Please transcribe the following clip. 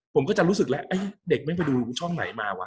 ผมก็จะรู้สึกแล้วเด็กไม่ไปดูช่องไหนมาวะ